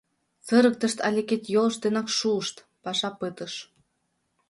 Сырыктышт але кид-йолышт денак шуышт — паша пытыш.